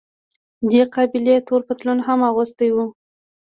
دې قابلې تور پتلون هم اغوستی و.